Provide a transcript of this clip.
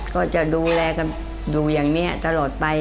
ก็จะดูแลกันอยู่อย่างนี้ตลอดไป